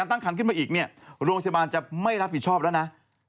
โรงพยาบาลจะไม่รับผิดชอบแล้วนะ